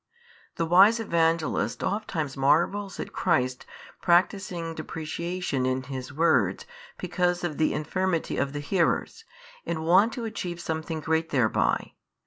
The wise Evangelist ofttimes marvels at Christ practising depreciation in His Words because of the infirmity of the hearers, and wont to achieve something great thereby.